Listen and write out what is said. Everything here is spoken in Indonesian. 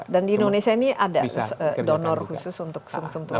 dan di indonesia ini ada donor khusus untuk sum sum tulang